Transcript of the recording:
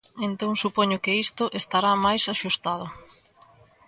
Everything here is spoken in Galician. Entón supoño que isto estará máis axustado.